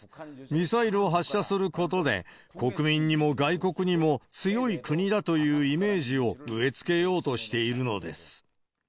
ミサイルを発射することで、国民にも外国にも強い国だというイメージを植え付けようとしているのです。